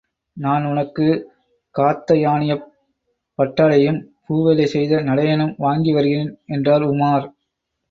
நான் உனக்கு காத்தயானியப் பட்டாடையும், பூ வேலை செய்த நடையனும் வாங்கி வருகிறேன் என்றான் உமார்.